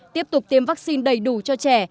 tiếp tục tiêm vaccine đầy đủ cho trẻ